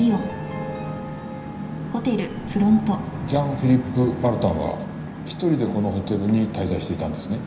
ジャン・フィリップ・マルタンは１人でこのホテルに滞在していたんですね？